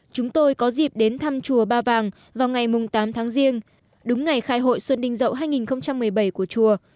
chúng tôi có dịp đến thăm chùa ba vàng vào ngày tám tháng riêng đúng ngày khai hội xuân đình dậu hai nghìn một mươi bảy của chùa